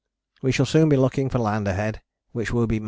We shall soon be looking for land ahead, which will be Mt.